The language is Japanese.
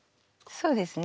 そうですね。